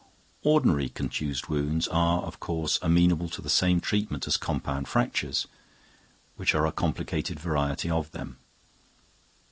Ordinary contused wounds are, of course, amenable to the same treatment as compound fractures, which are a complicated variety of them.